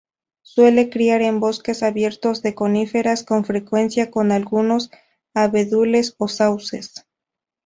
Suele criar en bosques abiertos de coníferas, con frecuencia con algunos abedules o sauces.